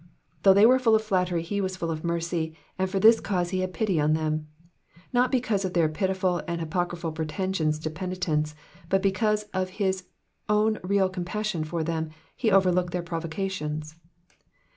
^ Though they were full of flattery, he was full of mercy, and for this cause he had pity on them. Not because of their pitiful and hypocritical pretensions to penitence, but because ot his own real compassion for them be overlooked their provocations.